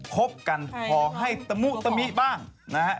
ครบกันพอให้ตมนตมนี่บ้าง